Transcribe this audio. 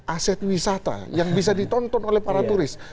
aset wisata yang bisa ditonton oleh para turis